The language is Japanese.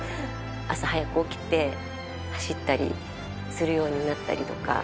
朝早く起きて、走ったりするようになったりとか。